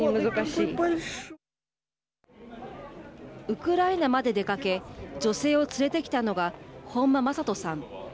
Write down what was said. ウクライナまで出かけ女性を連れてきたのが本間勝人さん。